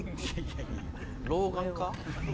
老眼か？